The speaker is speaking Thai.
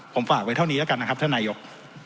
ผมฝากไว้เท่านี้แล้วกันนะครับท่านนายก